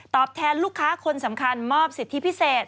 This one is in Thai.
แทนลูกค้าคนสำคัญมอบสิทธิพิเศษ